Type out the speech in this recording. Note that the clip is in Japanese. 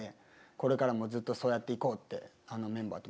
これからもずっとそうやっていこうってメンバーとも言ってるので。